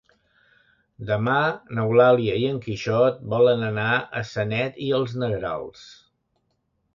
Demà n'Eulàlia i en Quixot volen anar a Sanet i els Negrals.